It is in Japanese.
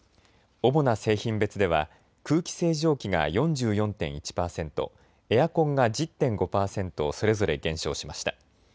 主な製品別では空気清浄機が４４．１％、エアコンが１０．５％それぞれ減少しました。